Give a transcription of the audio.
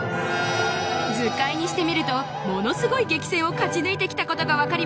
図解にしてみるとものすごい激戦を勝ち抜いてきた事がわかりますね